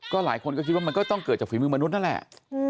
หลายคนก็คิดว่ามันก็ต้องเกิดจากฝีมือมนุษย์นั่นแหละ